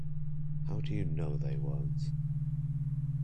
How do you know they won't?